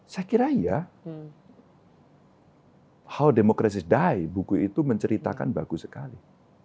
saya kira iya how democraties day buku itu menceritakan bagus sekali